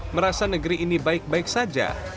merasa negeri ini baik baik saja